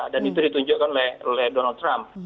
dan itu ditunjukkan oleh donald trump